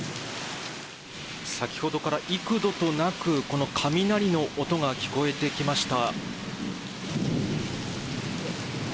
先ほどから幾度となくこの雷の音が聞こえてきました。